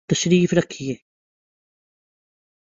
تشریف رکھئے